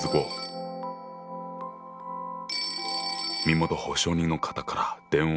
☎身元保証人の方から電話だ。